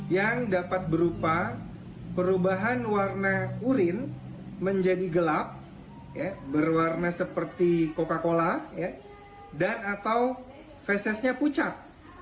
yang dapat berupa perubahan warna urin menjadi gelap berwarna seperti coca cola dan atau fesisnya pucat